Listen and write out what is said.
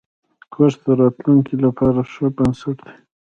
کورس د راتلونکي لپاره ښه بنسټ دی.